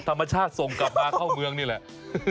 ธรรมชาติส่งกลับมาเข้าเมืองนี่แหละ